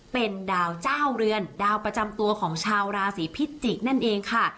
เป็นดาวเจ้าเรือนดาวประจำตัวของชาวราศีพิจิกษ์นั่นเองค่ะ